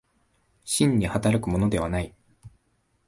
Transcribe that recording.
真に働くものではない。